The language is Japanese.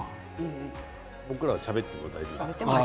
僕らしゃべっても大丈夫ですか。